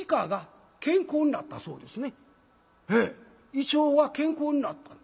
胃腸は健康になった。